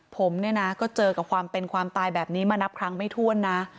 ผมเนี่ยนะก็เจอกับความเป็นความตายแบบนี้มานับครั้งไม่ถ้วนนะ